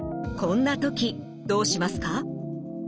こんな時どうしますか？